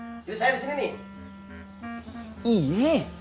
jadi saya disini nih